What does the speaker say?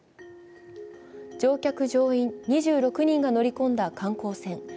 乗客・乗員２６人が乗り込んだ観光船